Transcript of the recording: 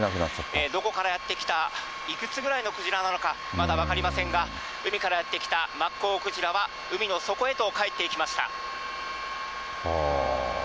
どこからやって来た、いくつぐらいのクジラなのか、まだ分かりませんが、海からやって来たマッコウクジラは、海の底へと帰っていきました。